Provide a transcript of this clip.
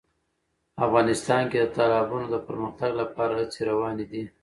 افغانستان کې د تالابونو د پرمختګ لپاره هڅې روانې دي.